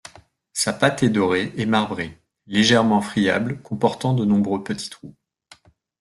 Sa pâte est dorée et marbrée légèrement friable comportant de nombreux petits trous.